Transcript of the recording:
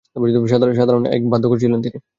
সাধারণ এক বাদ্যকর ছিলেন তিনি।